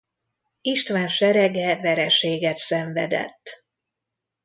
István serege vereséget szenvedett.